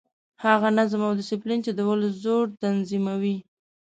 هغه نظم او ډسپلین چې د ولس زور تنظیموي.